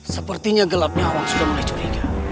sepertinya gelapnya awan sudah mulai curiga